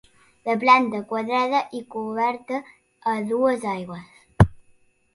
De planta quadrada i coberta a dues aigües.